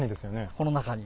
この中に。